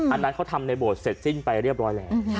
อันนั้นเขาทำในโบสถเสร็จสิ้นไปเรียบร้อยแล้ว